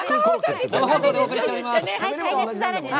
生放送でお送りしております。